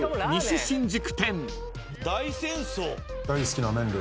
大好きな麺類。